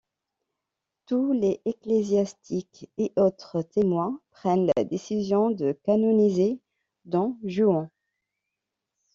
Tous les ecclésiastiques et autres témoins prennent la décision de canoniser Don Juan.